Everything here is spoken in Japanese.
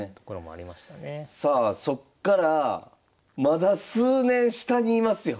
さあそっからまだ数年下にいますよ。